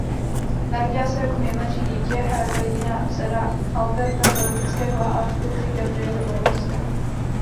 Narodila se jako nejmladší dítě a jediná dcera Alberta Belgického a Alžběty Gabriely Bavorské.